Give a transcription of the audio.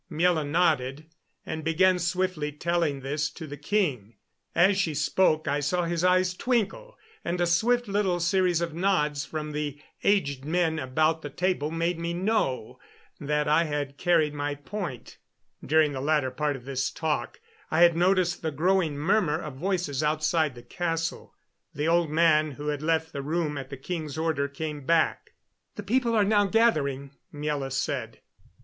Miela nodded, and began swiftly telling this to the king. As she spoke I saw his eyes twinkle and a swift little series of nods from the aged men about the table made me know that I had carried my point. During the latter part of this talk I had noticed the growing murmur of voices outside the castle. The old man who had left the room at the king's order came back. "The people now are gathering," Miela said.